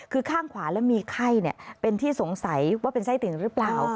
คือข้างขวาและมีไข้เป็นที่สงสัยว่าเป็นไส้ติ่งหรือเปล่า